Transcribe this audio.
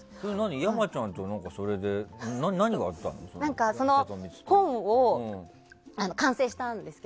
山ちゃんとそれで何があったんですか？